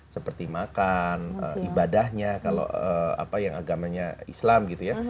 seperti makan ibadahnya kalau apa yang agamanya islam gitu ya